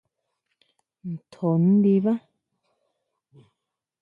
¿Ntjo ndibá?